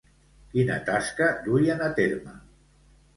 Quina tasca duien a terme?